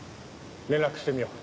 連絡してみよう。